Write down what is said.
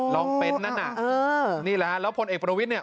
ลองเป็นนั่นน่ะนี่แหละฮะแล้วพลเอกประวิทย์เนี่ย